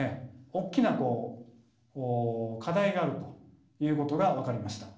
大きな課題があるということが分かりました。